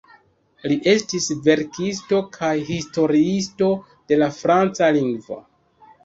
Li estis verkisto kaj historiisto de la franca lingvo.